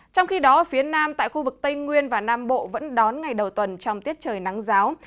trong khi đó phía nam tại khu vực tây nguyên và nam bộ vẫn đón ngày đầu tuần trong tiết trời nắng giáo